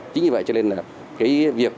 chính như vậy cho nên là cái việc